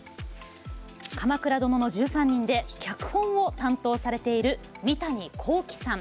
「鎌倉殿の１３人」で脚本を担当されている三谷幸喜さん。